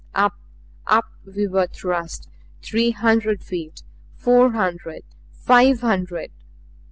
Up, up we were thrust three hundred feet, four hundred, five hundred.